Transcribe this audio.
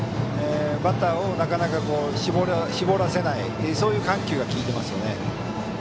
バッターをなかなか絞らせないそういう緩急が利いていますね。